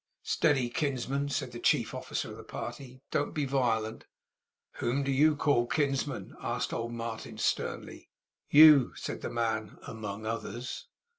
'Steady, kinsman!' said the chief officer of the party. 'Don't be violent.' 'Whom do you call kinsman?' asked old Martin sternly. 'You,' said the man, 'among others.